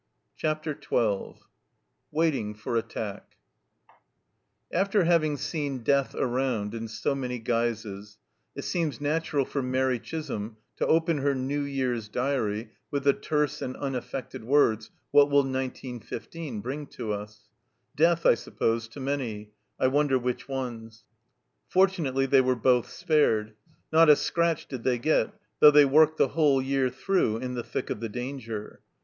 CHAPTER XII WAITING FOR ATTACK AFTER having seen death around in so many guises, it seems natural for Mairi Chisholm to open her New Year's diary with the terse and unaffected words : "What will 1915 bring to us? Death, I suppose, to many I wonder which ones 1" Fortunately they were both spared ; not a scratch did they get, though they worked the whole year through in the thick of the danger.